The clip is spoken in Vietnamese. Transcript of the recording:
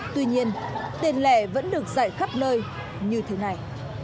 tuy nhiên tiền lẻ vẫn được dạy khắp nơi như thế này